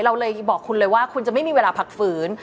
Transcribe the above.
เราเลยบอกคุณเลยว่าคุณจะไม่มีเวลาพักฝืน